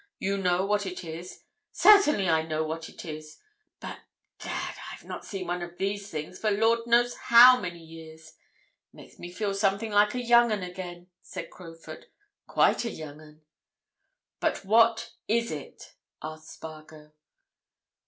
"You know what it is?" "Certainly I know what it is! But—Gad! I've not seen one of these things for Lord knows how many years. It makes me feel something like a young 'un again!" said Crowfoot. "Quite a young 'un!" "But what is it?" asked Spargo.